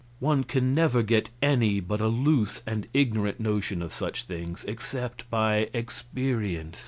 One can never get any but a loose and ignorant notion of such things except by experience.